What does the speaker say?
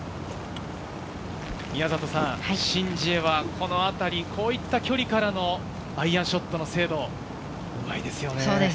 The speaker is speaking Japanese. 宮里さん、シン・ジエはこのあたり、こういった距離からのアイアンショットの精度、うまいですよね。